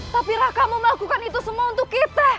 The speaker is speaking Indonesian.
tapi raka mau melakukan itu semua untuk kita